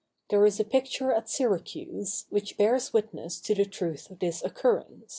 There is a picture at Syracuse, which bears witness to the truth of this occurrence.